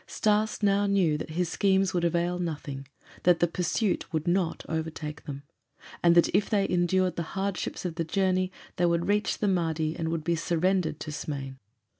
Stas now knew that his schemes would avail nothing; that the pursuit would not overtake them, and that if they endured the hardships of the journey they would reach the Mahdi and would be surrendered to Smain.